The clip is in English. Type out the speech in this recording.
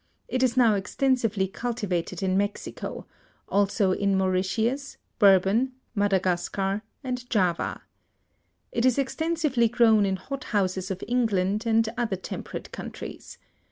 It is now extensively cultivated in Mexico; also in Mauritius, Bourbon, Madagascar and Java. It is extensively grown in hot houses of England and other temperate countries.